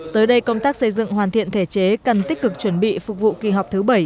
tới đây công tác xây dựng hoàn thiện thể chế cần tích cực chuẩn bị phục vụ kỳ họp thứ bảy